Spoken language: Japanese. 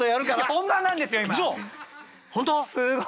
本番なんですよ！